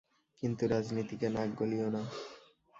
কিন্তু রাজনীতিতে নাক গলিয়ো না।